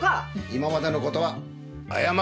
今までのことは謝る